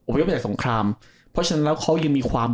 พยพมาจากสงครามเพราะฉะนั้นแล้วเขายังมีความ